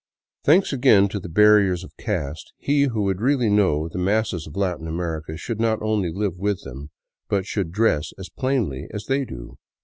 Thanks again to the barriers of caste, he who would really know the masses of Latin America should not only live with them, but should dress as plainly as they do.